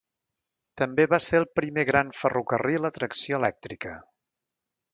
També va ser el primer gran ferrocarril a tracció elèctrica.